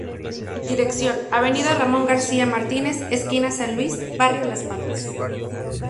Dirección: Avenida Ramón García Martínez esquina San Luis, Barrio Las Palmas.